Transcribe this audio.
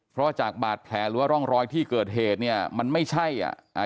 เพราะจากบาดแผลหรือว่าร่องรอยที่เกิดเหตุเนี้ยมันไม่ใช่อ่ะอ่า